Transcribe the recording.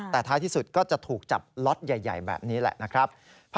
แต่ท้ายที่สุดก็จะถูกจับล็อตใหญ่แบบนี้แหละนะครับ